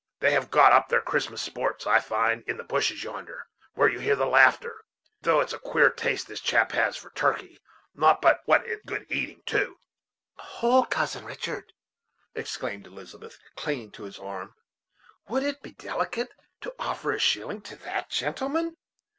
They have got up their Christmas sports, I find, in the bushes yonder, where you hear the laughter though it is a queer taste this chap has for turkey; not but what it is good eating, too." "Hold, Cousin Richard," exclaimed Elizabeth, clinging to his arm; "would it be delicate to offer a shilling to that gentleman?"